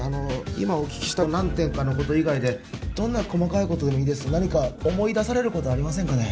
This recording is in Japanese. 今お聞きした何点かのこと以外でどんな細かいことでもいい思い出されることありませんかね